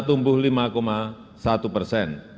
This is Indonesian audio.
tumbuh lima satu persen